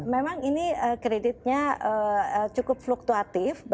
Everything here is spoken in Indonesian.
memang ini kreditnya cukup fluktuatif